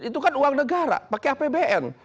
itu kan uang negara pakai apbn